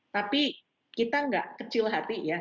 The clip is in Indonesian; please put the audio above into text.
tapi kita nggak kecil hati ya